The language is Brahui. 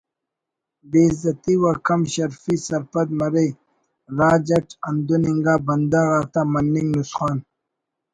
بے عزتی و کم شرفی سرپد مرے راج اٹ ہندن انگا بندغ آتا مننگ نسخان